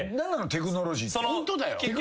テクノロジーって何？